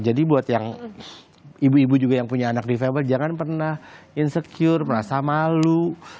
jadi buat yang ibu ibu juga yang punya anak di febl jangan pernah insecure merasa malu